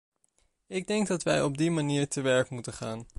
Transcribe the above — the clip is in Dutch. Ik denk dat wij op die manier te werk moeten gaan.